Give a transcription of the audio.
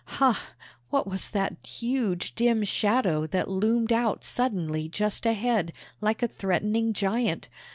Ha! what was that huge dim shadow that loomed out suddenly just ahead, like a threatening giant?